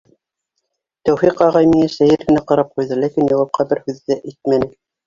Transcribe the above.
Тәүфиҡ ағай миңә сәйер генә ҡарап ҡуйҙы, ләкин яуапҡа бер һүҙ ҙә әйтмәне.